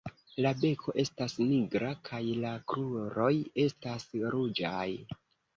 La beko estas nigra kaj la kruroj estas ruĝaj.